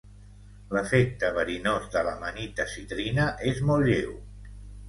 L'efecte verinós de l'Amanita citrina és molt lleu.